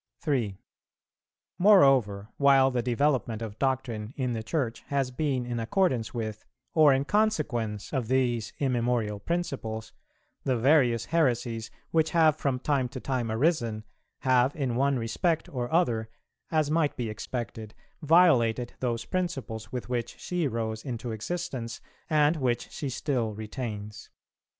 3. Moreover, while the development of doctrine in the Church has been in accordance with, or in consequence of these immemorial principles, the various heresies, which have from time to time arisen, have in one respect or other, as might be expected, violated those principles with which she rose into existence, and which she still retains.